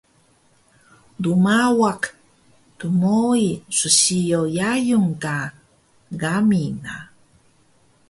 rmawiq dmoi ssiyo yayung ka gamil na